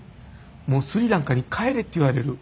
もうスリランカに帰れって言われる。